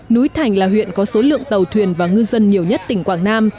núi thành là huyện có số lượng tàu thuyền và ngư dân nhiều nhất tỉnh quảng nam